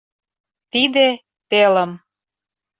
Тиде — телым.